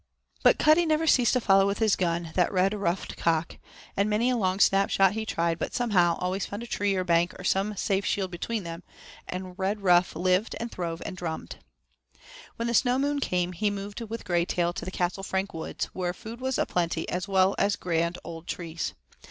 But Cuddy never ceased to follow with his gun that red ruffed cock; many a long snapshot he tried, but somehow always found a tree, a bank, or some safe shield between, and Redruff lived and throve and drummed. When the Snow Moon came he moved with Graytail to the Castle Frank woods, where food was plenty as well as grand old trees.